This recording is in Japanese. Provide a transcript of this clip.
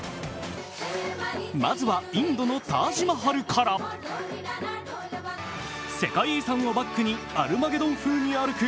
まずは、インドのタージマハルから世界遺産をバックに「アルマゲドン」風に歩く